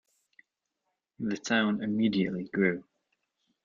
The town immediately grew.